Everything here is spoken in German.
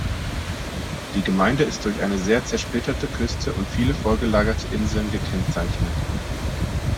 Die Gemeinde ist durch eine sehr zersplitterte Küste und viele vorgelagerte Inseln gekennzeichnet.